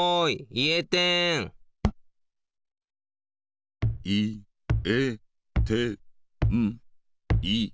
いえてんいえてんいえてん。